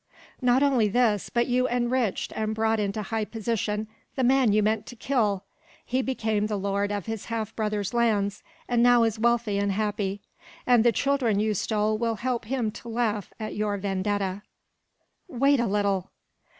"Not only this, but you enriched and brought into high position the man you meant to kill. He became the lord of his half brother's lands, and now is wealthy and happy, and the children you stole will help him to laugh at your Vendetta." "Wait a little."